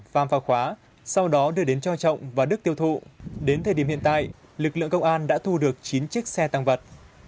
pham vào khóa sau đó đưa đến cho trọng và đức tiêu thụ đến thời điểm hiện tại lực lượng công an đã thu được chín chiếc xe tăng vật